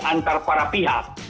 antara para pihak